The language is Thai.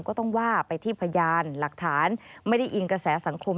ก็ต้องว่าไปที่พยานหลักฐานไม่ได้อิงกระแสสังคม